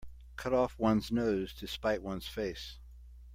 Cut off one's nose to spite one's face.